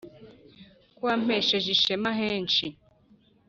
ko wampesheje ishema henshi